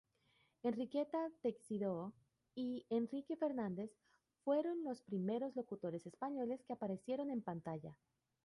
Enriqueta Teixidó y Enrique Fernández fueron los primeros locutores españoles que aparecieron en pantalla.